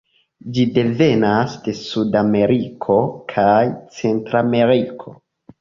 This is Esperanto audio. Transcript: Ĝi devenas de sudameriko kaj centrameriko.